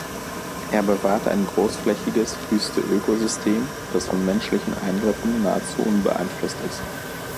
Er bewahrt ein großflächiges Wüste-Ökosystem, das von menschlichen Eingriffen nahezu unbeeinflusst ist.